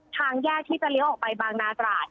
ทางแยกที่จะเลี้ยวออกไปบางนาตราด